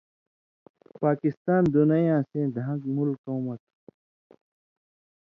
پاکستان دُنئیاں سَیں دھان٘ک مُلکؤں مہ تُھو